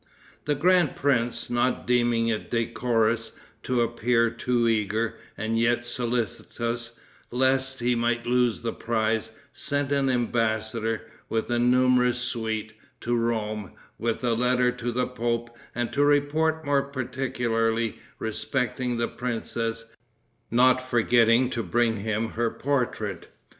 The grand prince, not deeming it decorous to appear too eager, and yet solicitous lest he might lose the prize, sent an embassador, with a numerous suite, to Rome, with a letter to the pope, and to report more particularly respecting the princess, not forgetting to bring him her portrait.